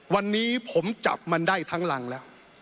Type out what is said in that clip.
วันนี้ผมจับมันได้ทั้งรังแล้ว